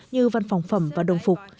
như văn phòng phẩm và đồng phục